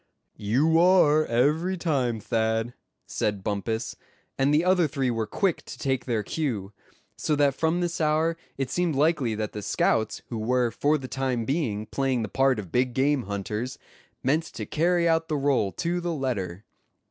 "You are, every time, Thad," said Bumpus, and the other three were quick to take their cue; so that from this hour it seemed likely that the scouts who were for the time being playing the part of big game hunters, meant to carry out the rôle to the letter.